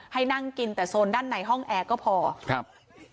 ให้นั่งกินแต่โซนด้านในห้องแอร์ก็พอครับ